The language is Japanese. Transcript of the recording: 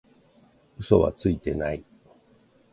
嘘はついてない